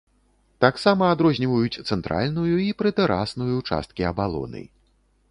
Таксама адрозніваюць цэнтральную і прытэрасную часткі абалоны.